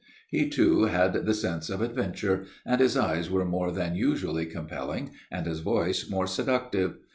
He too had the sense of adventure, and his eyes were more than usually compelling and his voice more seductive.